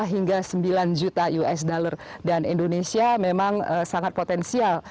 lima hingga sembilan juta usd dan indonesia memang sangat potensial